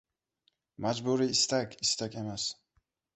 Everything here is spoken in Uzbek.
• Majburiy istak — istak emas.